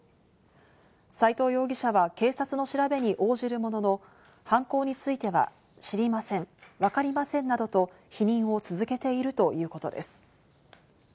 斎藤容疑者は警察の調べに応じるものの、犯行については、知りません、わかりませんなどと否認を続けているということです。